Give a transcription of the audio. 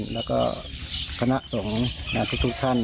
แล้วก็คณะสงฆ์ทุกท่าน